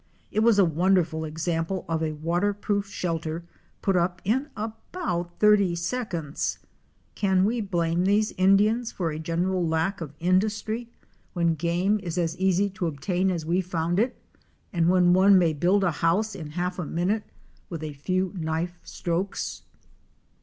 It was a wonderful example of a waterproof shelter put up in about thirty seconds. Can we blame these Indians for a general lack of industry, when JUNGLE LIFE AT AREMU. 325 game is as easy to obtain as we found it, and when one may build a house in a half a minute with a few knife strokes!